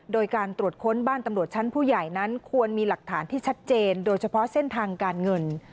โดยการตรวจค้นบ้านตำรวจชั้นผู้ใหญ่นั้นควรมีหลักฐานที่ชัดเจนโดยเฉพาะเส้นทางการเงิน